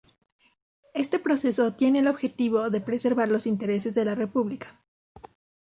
Este proceso tiene el objetivo de preservar los intereses de la República.